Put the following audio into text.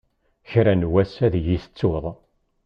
Kra n wass ad yi-tettuḍ.